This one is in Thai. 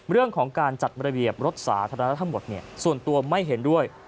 เรื่องของการจัดระเบียบรถสาธารณะทั้งหมดส่วนตัวไม่เห็นด้วย